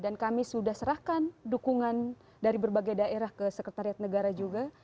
dan kami sudah serahkan dukungan dari berbagai daerah ke sekretariat negara juga